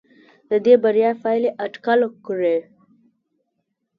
د دې بریا پایلې اټکل کړي.